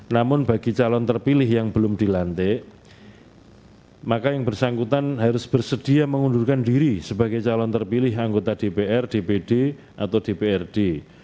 namun bagi calon terpilih yang belum dilantik maka yang bersangkutan harus bersedia mengundurkan diri sebagai calon terpilih anggota dpr dpd atau dprd